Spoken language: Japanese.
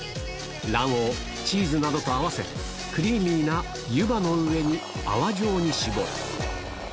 卵黄、チーズなどと合わせ、クリーミーな湯葉の上に泡状に絞る。